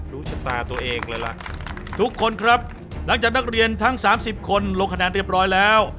รู้ชะตาตัวเองเลยล่ะ